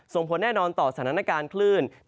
ผลแน่นอนต่อสถานการณ์คลื่น